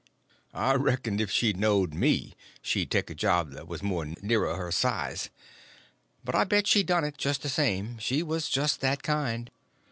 I reckoned if she knowed me she'd take a job that was more nearer her size. But I bet she done it, just the same—she was just that kind.